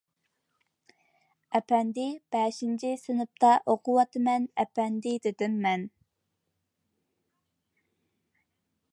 -ئەپەندى، بەشىنچى سىنىپتا ئوقۇۋاتىمەن، ئەپەندى، -دېدىم مەن.